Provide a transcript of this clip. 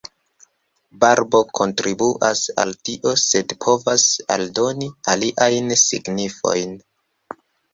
Barbo kontribuas al tio, sed povas aldoni aliajn signifojn.